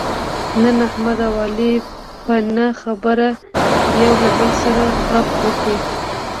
نن احمد او علي په نه خبره یو له بل سره کړپ وکړ.